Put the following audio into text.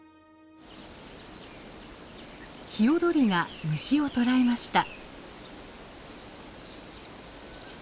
ヒヨドリが虫を捕らえました。